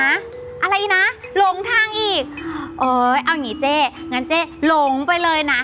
อะไรนะหลงทางอีกเอ้ยเอาอย่างงี้เจ๊งั้นเจ๊หลงไปเลยนะ